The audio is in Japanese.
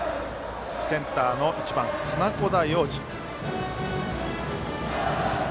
センターの１番、砂子田陽士。